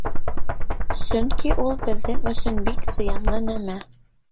Сөнки ул беҙҙең өсөн бик зыянлы нәмә.